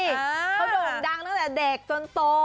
เขาโด่งดังตั้งแต่เด็กจนโต